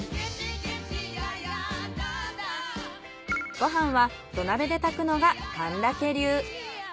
ご飯は土鍋で炊くのが神田家流。